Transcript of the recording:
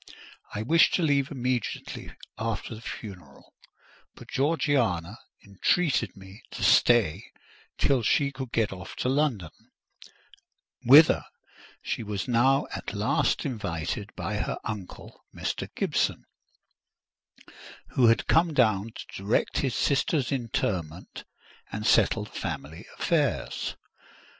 I wished to leave immediately after the funeral, but Georgiana entreated me to stay till she could get off to London, whither she was now at last invited by her uncle, Mr. Gibson, who had come down to direct his sister's interment and settle the family affairs.